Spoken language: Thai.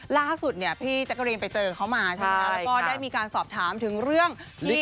ล่าสุดพี่แจ๊กเกาเรียนไปเจอเค้ามาใช่ไหมคะแล้วก็ได้มีการสอบถามถึงเรื่องที่